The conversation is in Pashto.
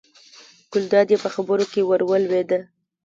ګلداد یې په خبرو کې ور ولوېد.